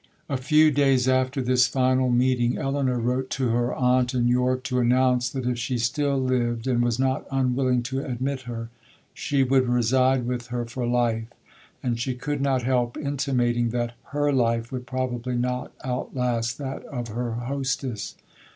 'A few days after this final meeting, Elinor wrote to her aunt in York to announce, that if she still lived, and was not unwilling to admit her, she would reside with her for life; and she could not help intimating, that her life would probably not outlast that of her hostess.